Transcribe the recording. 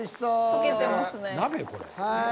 溶けてますね。